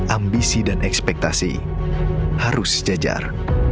ambisi dan ekspektasi harus sejajar